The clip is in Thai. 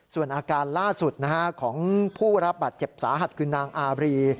ส่วนอาการล่าสุดของผู้รับบัตรเจ็บสาหัสคือนางอารี